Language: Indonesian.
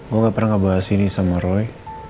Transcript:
gue gak pernah ngebahas ini sama roy